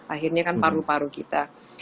akhirnya kan paru paru kita